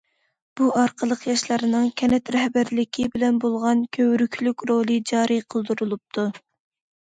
بۇ ئارقىلىق ياشلارنىڭ كەنت رەھبەرلىكى بىلەن بولغان كۆۋرۈكلۈك رولى جارى قىلدۇرۇلۇپتۇ.